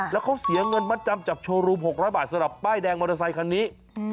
แล้วเขาเสียเงินมัดจำจับโชว์รูม๖๐๐บาทสำหรับป้ายแดงมอเตอร์ไซคันนี้